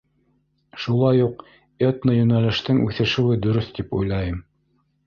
Шулай уҡ этно йүнәлештең үҫешеүе дөрөҫ тип уйлайым.